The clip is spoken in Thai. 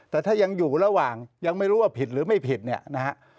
แต่ถ้ายังอยู่ระหว่างยังไม่รู้ว่าผิดหรือไม่ผิดเนี่ยนะฮะ